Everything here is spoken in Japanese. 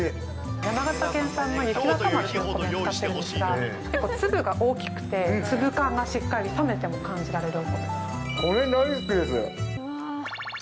山形県産の雪若丸という米を使ってるんですが、結構、粒が大きくて、粒感がしっかり、冷めてこれ大好きです。